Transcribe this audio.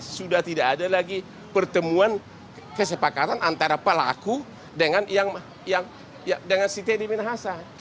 sudah tidak ada lagi pertemuan kesepakatan antara pelaku dengan si teddy minahasa